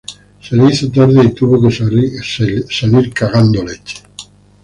Se le hizo tarde y tuvo que salir cagando leches